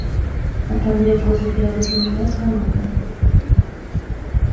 atangira kubasekera gusa nyuma y’akanya gato